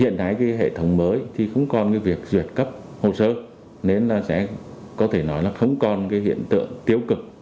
hiện nay cái hệ thống mới thì không còn cái việc duyệt cấp hồ sơ nên là sẽ có thể nói là không còn cái hiện tượng tiêu cực